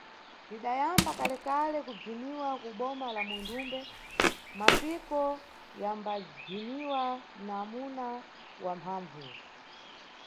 Lidayamba kalekale kubziniwa kuboma la Mwidhumbe, mapiko yambabziniwa na amuna wa mphambvu.